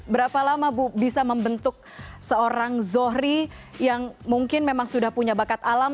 berapa lama bu bisa membentuk seorang zohri yang mungkin memang sudah punya bakat alam